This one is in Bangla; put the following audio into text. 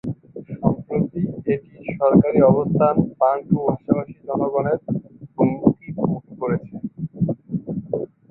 সম্প্রতি এটির সরকারি অবস্থান বান্টু ভাষাভাষী জনগণের হুমকির মুখে পড়েছে।